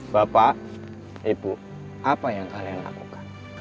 bapak ibu apa yang kalian lakukan